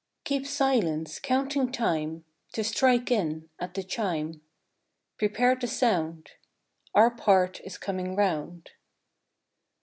Keep silence, counting time To strike in at the chime ; Prepare to sound :— Our part is coming round.